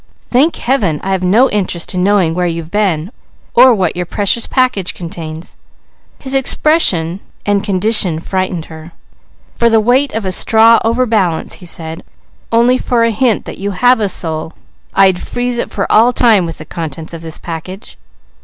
Thank Heaven I've no interest in knowing where you have been, or what your precious package contains." His expression and condition frightened her. "For the weight of a straw overbalance," he said, "only for a hint that you have a soul, I'd freeze it for all time with the contents of this package."